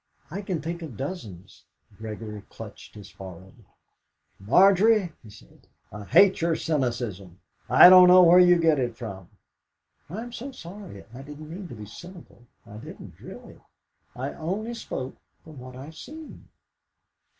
"I can think of dozens." Gregory clutched his forehead. "Margery," he said, "I hate your cynicism. I don't know where you get it from." "I'm so sorry; I didn't mean to be cynical I didn't, really. I only spoke from what I've seen."